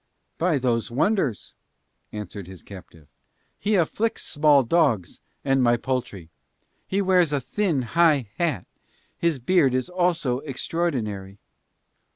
"By those wonders," answered his captive. "He afflicts small dogs and my poultry. And he wears a thin, high hat: his beard is also extraordinary."